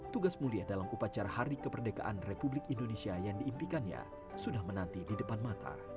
tugas mulia dalam upacara hari kemerdekaan republik indonesia yang diimpikannya sudah menanti di depan mata